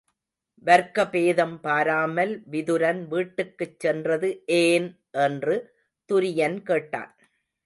வர்க்கபேதம் பாராமல் விதுரன் வீட்டுக்குச் சென்றது ஏன்? என்று துரியன் கேட்டான்.